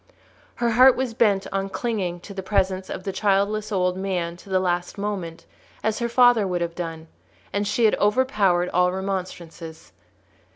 Her heart was bent on clinging to the presence of the childless old man to the last moment, as her father would have done; and she had overpowered all remonstrances.